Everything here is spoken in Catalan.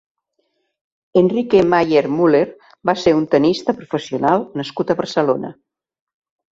Enrique Maier Müller va ser un tennista professional nascut a Barcelona.